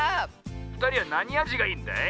ふたりはなにあじがいいんだい？